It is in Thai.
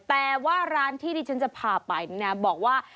แต่ว่าร้านที่ดิฉันจะพาไปเนี่ยบอกว่า